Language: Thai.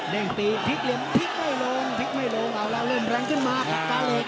เริ่มแรงขึ้นมาปากกาเล็ก